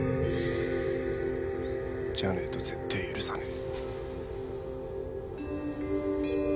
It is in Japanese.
じゃねえと絶対許さねえ。